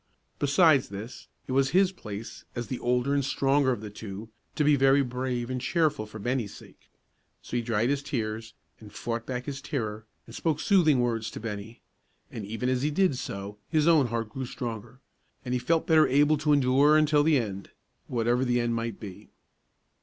Besides this, it was his place, as the older and stronger of the two, to be very brave and cheerful for Bennie's sake. So he dried his tears, and fought back his terror, and spoke soothing words to Bennie, and even as he did so, his own heart grew stronger, and he felt better able to endure until the end, whatever the end might be.